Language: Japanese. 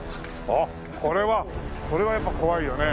あっこれはこれはやっぱ怖いよね。